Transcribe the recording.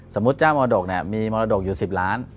สมมุติเจ้ามอดกมีมอดกอยู่๑๐ล้าน